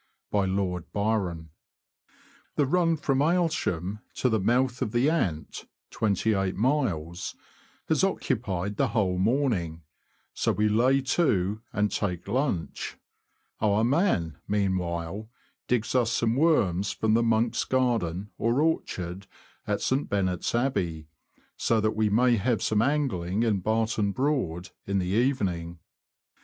— Byron. f? |r^|HE run from Aylsham to the mouth of the Ant ^Iv (twenty eight miles) has occupied the whole ^ JL* morning, so we lay to and take lunch ; our man, meanwhile, digs us some worms from the monks' garden or orchard at St. Benet's Abbey, so that we may have some angling in Barton Broad in the evening.